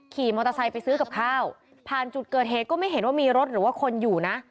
ขี่มอเตอร์ไซค์ไปซื้อกับข้าวผ่านจุดเกิดเหตุก็ไม่เห็นว่ามีรถหรือว่าคนอยู่นะ